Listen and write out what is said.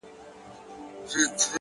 ماتيږي چي بنگړي!! ستا په لمن کي جنانه!!